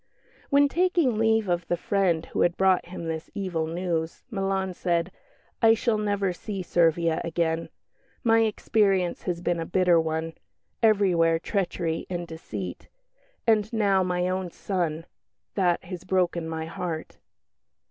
When taking leave of the friend who had brought him this evil news Milan said, "I shall never see Servia again. My experience has been a bitter one everywhere treachery and deceit. And now my own son that has broken my heart."